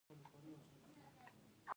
تاجکان په کومو ولایتونو کې اوسیږي؟